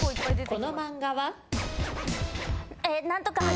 この漫画は？